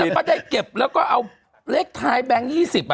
แล้วก็ได้เก็บแล้วก็เอาเลขท้ายแบงค์๒๐